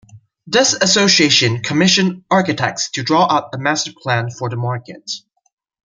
This association commissioned architects to draw up a master plan for the market.